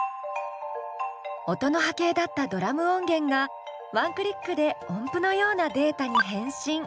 音の波形だったドラム音源がワンクリックで音符のようなデータに変身。